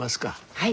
はい。